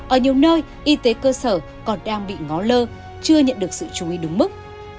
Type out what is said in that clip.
ở nhiều nơi y tế cơ sở còn đang bị ngó lơ chưa nhận được sự chú ý đúng mức